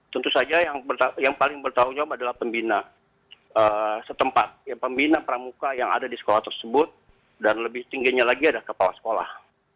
tentu saja yang paling bertanggung jawab adalah pembina setempat pembina pramuka yang ada di sekolah tersebut dan lebih tingginya lagi ada kepala sekolah